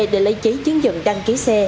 để lấy chế chứng dận đăng ký xe